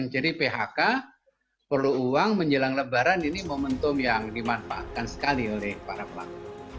jadi phk perlu uang menjelang lebaran ini momentum yang dimanfaatkan sekali oleh para pelaku